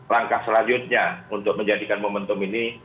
langkah selanjutnya untuk menjadikan momentum ini